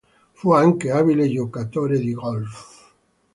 Fu anche abile giocatore di golf.